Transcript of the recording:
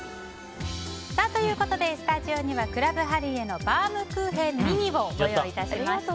スタジオにはクラブハリエのバームクーヘンｍｉｎｉをご用意いたしました。